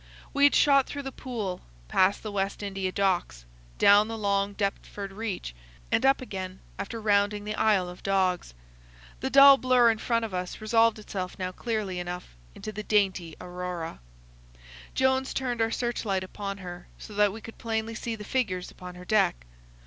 We had shot through the Pool, past the West India Docks, down the long Deptford Reach, and up again after rounding the Isle of Dogs. The dull blur in front of us resolved itself now clearly enough into the dainty Aurora. Jones turned our search light upon her, so that we could plainly see the figures upon her deck.